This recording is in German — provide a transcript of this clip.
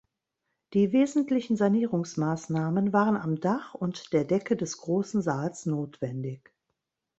Die wesentlichen Sanierungsmaßnahmen waren am Dach und der Decke des großen Saals notwendig.